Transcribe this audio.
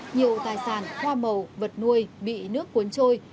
nhiều tài sản hoa màu vật nuôi bị nước cuốn trôi